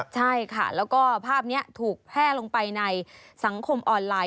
ใช่ค่ะแล้วก็ภาพนี้ถูกแพร่ลงไปในสังคมออนไลน